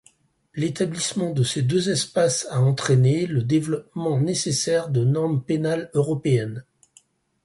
L'établissement de ces deux espaces à entraîner le développement nécessaire de normes pénales européennes.